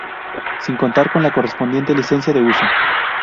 sin contar con la correspondiente licencia de uso